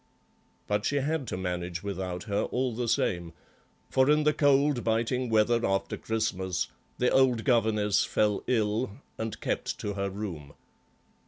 But she had to manage without her all the same, for in the cold biting weather after Christmas, the old governess fell ill and kept to her room.